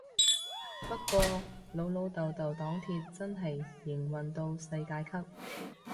不過老老豆豆黨鐵真係營運到世界級